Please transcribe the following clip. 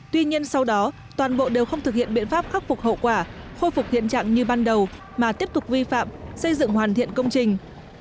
tuy nhiên sau đó toàn bộ đều không thực hiện biện pháp khắc phục hậu quả khôi phục hiện trạng như ban đầu mà tiếp tục vi phạm xây dựng hoàn thiện công trình